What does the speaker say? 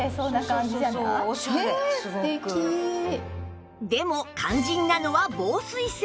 ちょっとでも肝心なのは防水性